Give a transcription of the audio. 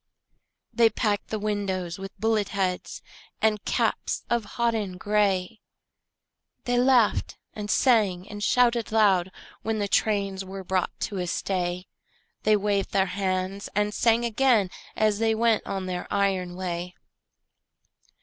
They packed the windows with bullet heads And caps of hodden gray; They laughed and sang and shouted loud When the trains were brought to a stay; They waved their hands and sang again As they went on their iron way.